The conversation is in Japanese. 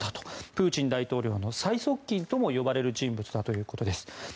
プーチン大統領の最側近とも呼ばれる人物だということです。